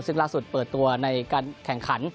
ซึ่งล่าสุดเปิดตัวในการแข่งขัน